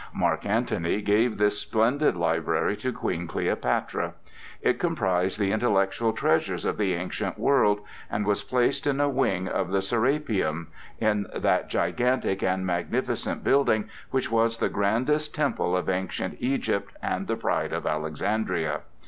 Mark Antony gave this splendid library to Queen Cleopatra. It comprised the intellectual treasures of the ancient world, and was placed in a wing of the Serapeum,—in that gigantic and magnificent building which was the grandest temple of ancient Egypt and the pride of Alexandria.